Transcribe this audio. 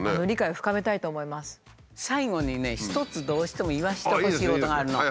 最後にね一つどうしても言わせてほしいことがあるの。